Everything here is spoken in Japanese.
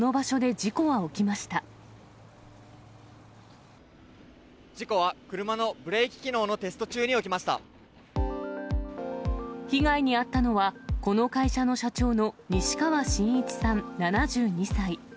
事故は車のブレーキ機能のテ被害に遭ったのは、この会社の社長の西川慎一さん７２歳。